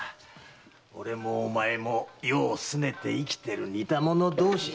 俺もお前も世を拗ねて生きてる似た者同士じゃないか。